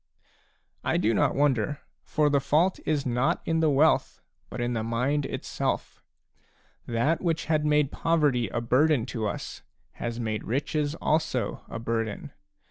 I do not wonder. For the fault is not in the wealth, but in the mind itself. That which had made poverty a burden to us, has made riches also a burden.